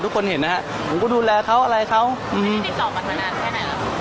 ทุกคนเห็นนะฮะผมก็ดูแลเขาอะไรเขาไม่ได้ติดต่อกันมานานแค่ไหนแล้ว